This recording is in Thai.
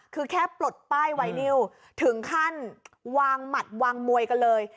คือแค่ปลดป้ายไวนิวถึงขั้นวางหมัดวางมวยกันเลย